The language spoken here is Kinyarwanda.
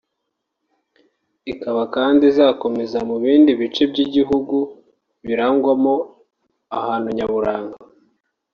ikaba kandi izakomereza mu bindi bice by’igihugu birangwamo ahantu nyaburanga